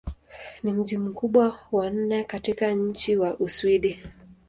Ni mji mkubwa wa nne katika nchi wa Uswidi.